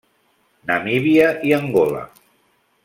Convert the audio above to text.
Namíbia i Angola.